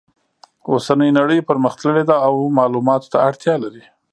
اوسنۍ نړۍ پرمختللې ده او معلوماتو ته اړتیا لري